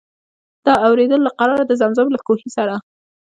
د اورېدلو له قراره د زمزم له کوهي سره.